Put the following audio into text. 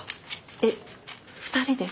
えっ２人で？